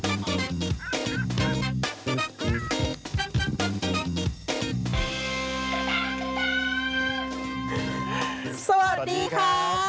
สวัสดีค่ะ